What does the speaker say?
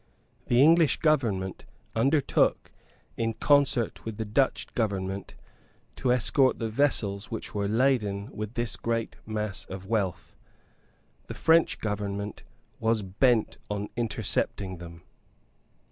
The English government undertook, in concert with the Dutch government, to escort the vessels which were laden with this great mass of wealth. The French government was bent on intercepting them.